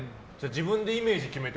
自分でイメージ決めて？